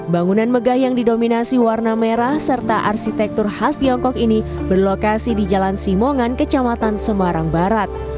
bangunan megah yang didominasi warna merah serta arsitektur khas tiongkok ini berlokasi di jalan simongan kecamatan semarang barat